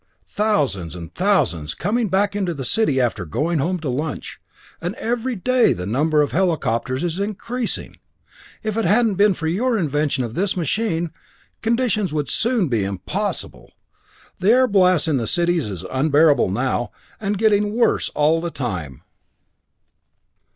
Thousands and thousands coming back into the city after going home to lunch and every day the number of helicopters is increasing! If it hadn't been for your invention of this machine, conditions would soon be impossible. The airblast in the cities is unbearable now, and getting worse all the time.